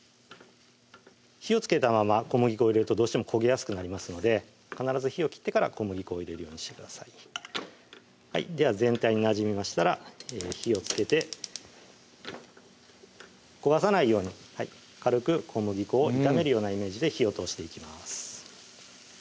火をつけたまま小麦粉を入れると焦げやすくなりますので必ず火を切ってから小麦粉を入れるようにしてくださいでは全体になじみましたら火をつけて焦がさないように軽く小麦粉を炒めるようなイメージで火を通していきます